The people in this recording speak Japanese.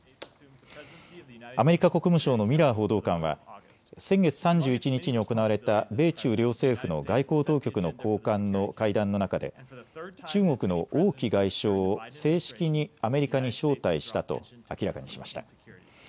アメリカ国務省のミラー報道官は先月３１日に行われた米中両政府の外交当局の高官の会談の中で中国の王毅外相を正式にアメリカに招待したと明らかにしました。